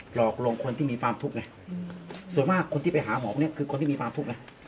หลอกลงคนที่มีความทุกข์ไงส่วนมากคนที่ไปหาหมอเนี่ยคือคนที่มีความทุกข์นะ